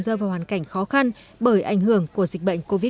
dơ vào hoàn cảnh khó khăn bởi ảnh hưởng của dịch bệnh covid một mươi chín